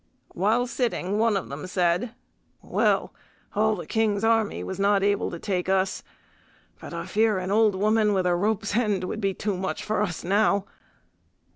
While sitting, one of them said, "Well, all the King's army was not able to take us, but I fear an old woman with a rope's end would be too much for us now."